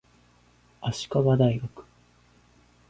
足利大学